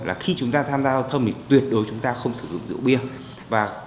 là khi chúng ta tham gia giao thông thì tuyệt đối chúng ta không sử dụng rượu bia